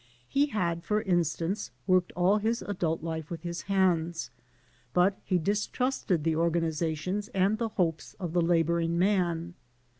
He had, for instance, worked all his adult life with his hands, but he distrusted the organiza tions and the hopes of the laboring man.